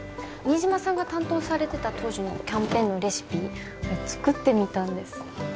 新島さんが担当されてた当時のキャンペーンのレシピ作ってみたんです